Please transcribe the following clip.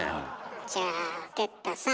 じゃあ哲太さん。